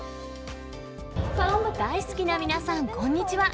大好きな皆さん、こんにちは。